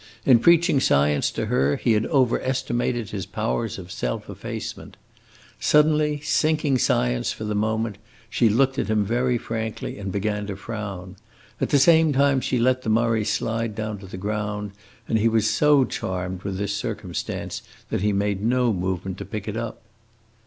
In preaching science to her, he had over estimated his powers of self effacement. Suddenly, sinking science for the moment, she looked at him very frankly and began to frown. At the same time she let the Murray slide down to the ground, and he was so charmed with this circumstance that he made no movement to pick it up.